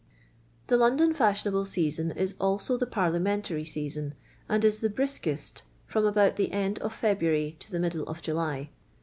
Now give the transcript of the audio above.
The London fashionable season is also the par liamentary season, and is the "briskest" from about the end of February to the middle of July.